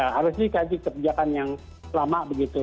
harus dikaji kebijakan yang lama begitu